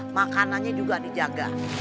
makanannya juga dijaga